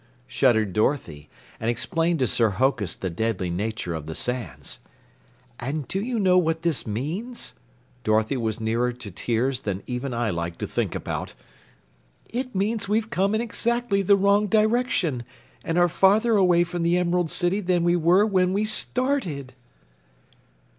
shuddered Dorothy, and explained to Sir Hokus the deadly nature of the sands. "And do you know what this means?" Dorothy was nearer to tears than even I like to think about. "It means we've come in exactly the wrong direction and are farther away from the Emerald City than we were when we started."